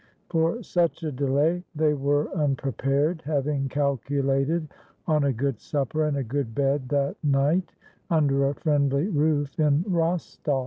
For such a delay they were unprepared, having calculated on a good supper and a good bed that night under a friendly roof in Rostov.